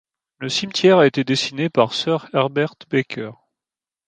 Le cimetière a été dessiné par Sir Herbert Baker.